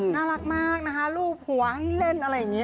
น่ารักมากนะคะรูปหัวให้เล่นอะไรอย่างนี้